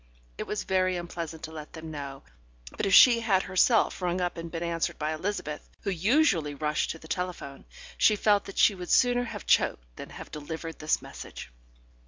It was very unpleasant to let them know, but if she had herself rung up and been answered by Elizabeth, who usually rushed to the telephone, she felt that she would sooner have choked than have delivered this message.